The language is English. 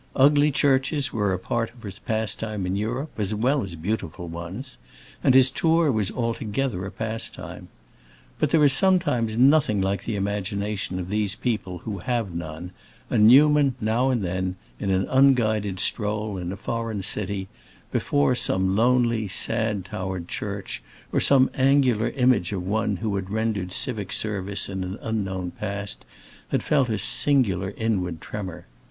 Ugly churches were a part of his pastime in Europe, as well as beautiful ones, and his tour was altogether a pastime. But there is sometimes nothing like the imagination of these people who have none, and Newman, now and then, in an unguided stroll in a foreign city, before some lonely, sad towered church, or some angular image of one who had rendered civic service in an unknown past, had felt a singular inward tremor.